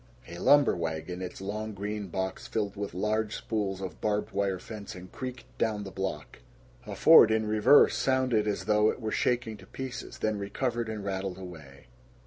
A lumber wagon, its long green box filled with large spools of barbed wire fencing, creaked down the block. A Ford, in reverse, sounded as though it were shaking to pieces, then recovered and rattled away.